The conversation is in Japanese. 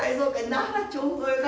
ならちょうどよかった。